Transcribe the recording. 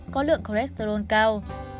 có lượng cholesterol cao